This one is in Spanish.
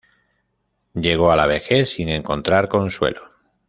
Llegó a la vejez sin encontrar consuelo.